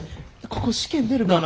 ここ試験に出るかな？